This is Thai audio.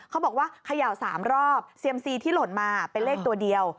เขาบอกว่าเขย่า๓รอบเซียมซีที่หล่นมาเป็นเลขตัวเดียว